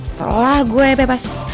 setelah gue bebas